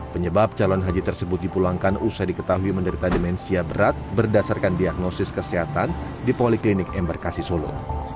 penyebab calon haji tersebut dipulangkan usai diketahui menderita demensia berat berdasarkan diagnosis kesehatan di poliklinik embarkasi solo